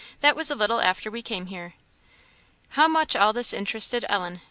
That was a little after we came here." How much all this interested Ellen!